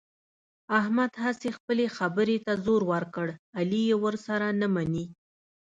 احمد هسې خپلې خبرې ته زور ور کړ، علي یې ورسره نه مني.